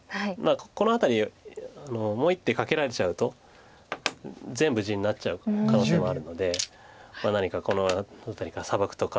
この辺りもう１手かけられちゃうと全部地になっちゃう可能性もあるので何かこの辺りからサバくとか。